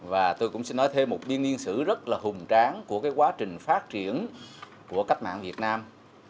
và tôi cũng xin nói thêm một biên niên sử rất là hùng tráng của cái quá trình phát triển của cách mạng việt nam